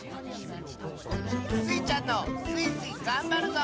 スイちゃんの「スイスイ！がんばるぞ」